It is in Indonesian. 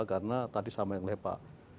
karena tadi sama yang lepak